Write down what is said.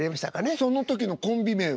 その時のコンビ名は？